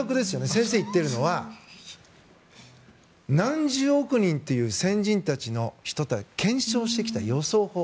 先生が言っているのは何十億人という先人たちが検証してきた予想法。